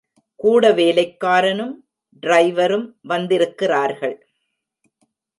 கூட வேலைக்காரனும் ட்ரைவரும் வந்திருக்கிறார்கள்.